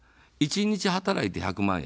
１日働いて１００万円。